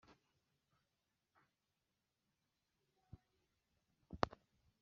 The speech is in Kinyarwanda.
yamubajije umwanzuro yafashe amubwira ko ari ntawo